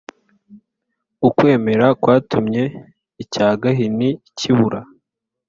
ukwemera kwatumye icya gahini kibura